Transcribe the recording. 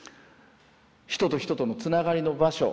人と人とのつながりの場所。